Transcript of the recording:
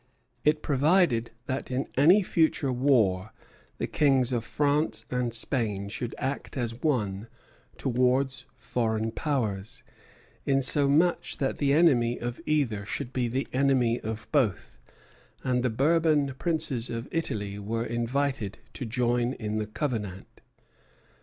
It provided that in any future war the Kings of France and Spain should act as one towards foreign Powers, insomuch that the enemy of either should be the enemy of both; and the Bourbon princes of Italy were invited to join in the covenant.